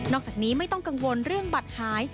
จากนี้ไม่ต้องกังวลเรื่องบัตรหาย